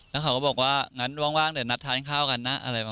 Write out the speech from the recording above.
แล้วเขาก็บอกว่างั้นว่างเดี๋ยวนัดทานข้าวกันนะอะไรประมาณ